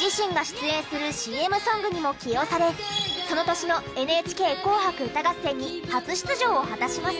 自身が出演するＣＭソングにも起用されその年の『ＮＨＫ紅白歌合戦』に初出場を果たします。